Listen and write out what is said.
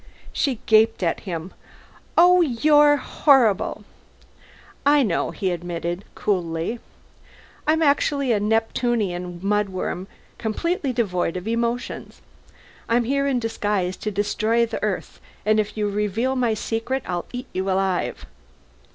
She gaped at him. "Oh you're horrible!" "I know," he admitted coolly. "I'm actually a Neptunian mudworm, completely devoid of emotions. I'm here in disguise to destroy the Earth, and if you reveal my secret I'll eat you alive."